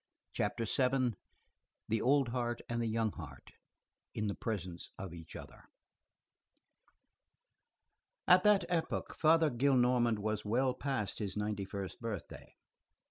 CHAPTER VII—THE OLD HEART AND THE YOUNG HEART IN THE PRESENCE OF EACH OTHER At that epoch, Father Gillenormand was well past his ninety first birthday.